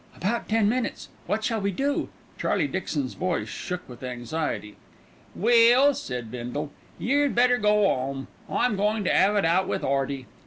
"About ten minutes. What shall we do?" Charlie Dixon's voice shook with anxiety. "Well," said Bindle, "yer'd better go 'ome. I'm goin' to 'ave it out with 'Earty."